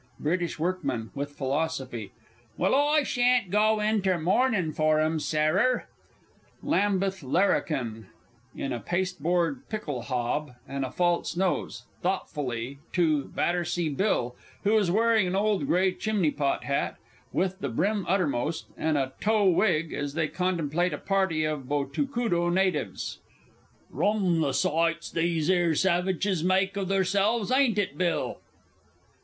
BRITISH WORKMAN (with philosophy). Well, I sha'n't go inter mournin' for 'em, Sairer! LAMBETH LARRIKIN (in a pasteboard "pickelhaube," and a false nose, thoughtfully, to BATTERSEA BILL, _who is wearing an old grey chimney pot hat, with the brim uppermost, and a tow wig, as they contemplate a party of Botocudo natives_). Rum the sights these 'ere savidges make o' theirselves, ain't it, Bill?